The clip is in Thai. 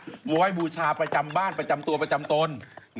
เอาไว้บูชาประจำบ้านประจำตัวประจำตน